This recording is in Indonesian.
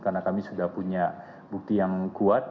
karena kami sudah punya bukti yang kuat